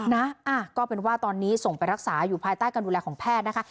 นะก็เป็นว่าตอนนี้ส่งไปรักษาอยู่ภายใต้การดูแลของแพทย์นะคะ